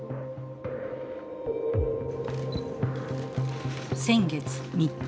先月３日。